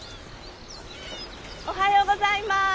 おはようございます。